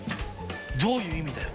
どういう意味だよ。